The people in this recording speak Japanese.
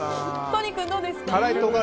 都仁君、どうですか？